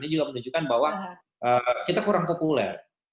ini juga menunjukkan bahwa kita kurang populer